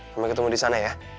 kami ketemu di sana ya